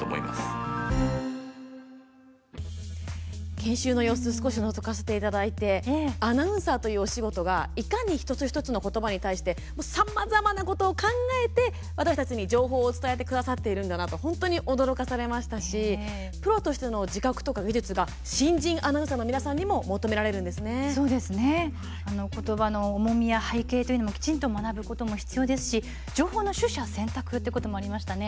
研修の様子、少しのぞかせていただいてアナウンサーというお仕事がいかに一つ一つのことばに対してさまざまなことを考えて私たちに情報を伝えてくださっているんだなと本当に驚かされましたしプロとしての自覚とか技術が新人アナウンサーの皆さんにもことばの重みや背景というのをきちんと学ぶことも必要ですし情報の取捨選択ということもありましたね。